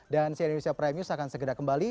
dan si indonesia prime news akan segera kembali